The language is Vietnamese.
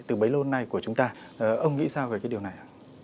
từ bấy lâu nay của chúng ta ông nghĩ sao về điều này